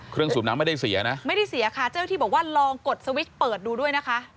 สูบน้ำไม่ได้เสียนะไม่ได้เสียค่ะเจ้าที่บอกว่าลองกดสวิชเปิดดูด้วยนะคะ